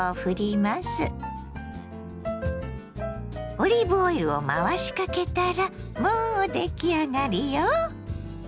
オリーブオイルを回しかけたらもう出来上がりよ。